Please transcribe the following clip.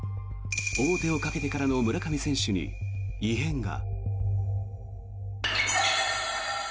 王手をかけてからの村上選手に異変が。